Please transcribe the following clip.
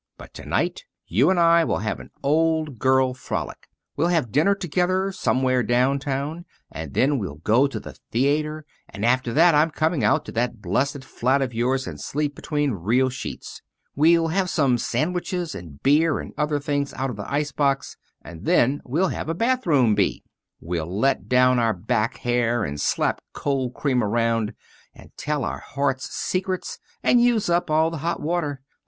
But to night you and I will have an old girl frolic. We'll have dinner together somewhere downtown, and then we'll go to the theater, and after that I'm coming out to that blessed flat of yours and sleep between real sheets. We'll have some sandwiches and beer and other things out of the ice box, and then we'll have a bathroom bee. We'll let down our back hair, and slap cold cream around, and tell our hearts' secrets and use up all the hot water.